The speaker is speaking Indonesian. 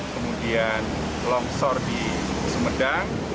kemudian longsor di semedang